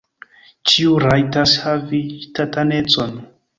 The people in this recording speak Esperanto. Ĉiu rajtas havi ŝtatanecon.